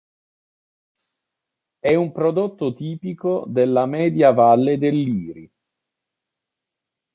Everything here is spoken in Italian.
È un prodotto tipico della Media Valle del Liri.